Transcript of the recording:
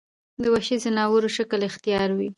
د وحشي ځناور شکل اختيار وي